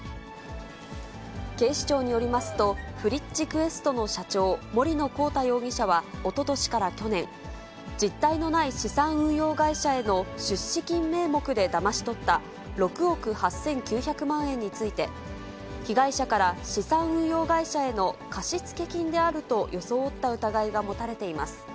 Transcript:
警視庁によりますと、フリッチクエストの社長、森野広太容疑者はおととしから去年、実体のない資産運用会社への出資金名目でだまし取った６億８９００万円について、被害者から資産運用会社への貸付金であると装った疑いが持たれています。